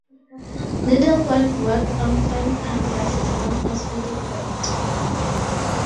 Needlepoint worked on fine canvas is known as petit point.